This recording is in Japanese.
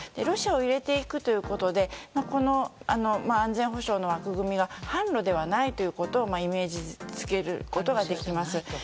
ロシアを入れていくということで安全保障の枠組みは販路ではないことをイメージづけることができます。